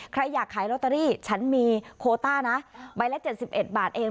ใครอยากขายลอตเตอรี่ฉันมีโคต้านะใบละ๗๑บาทเอง